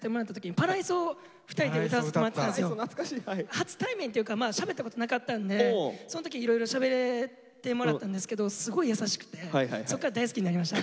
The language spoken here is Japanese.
初対面というかしゃべったことなかったんでそん時いろいろしゃべってもらったんですけどすごい優しくてそっから大好きになりました。